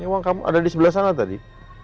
uang kamu ada di sebelah sana tadi